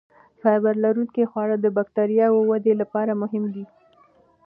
فایبر لرونکي خواړه د بکتریاوو ودې لپاره مهم دي.